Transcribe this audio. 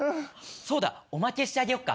そうだおまけしてあげようか。